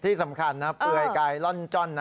ที่สำคัญนะเปลือยกายล่อนจ้อนนะ